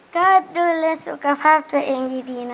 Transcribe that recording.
ก็ดูเลือกสุขภาพตัวเองดีนะคะ